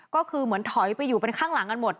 ก็คือเหมือนถอยไปอยู่เป็นข้างหลังกันหมด